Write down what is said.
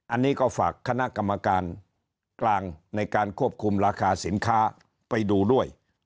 อันนี้ก็ฝากคณะกรรมการกลางในการควบคุมราคาสินค้าไปดูด้วย